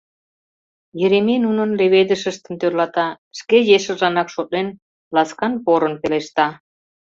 Еремей нунын леведышыштым тӧрлата, шке ешыжланак шотлен, ласкан-порын пелешта: